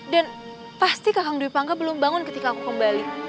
dan pasti kakang dwi pangka belum bangun ketika aku kembali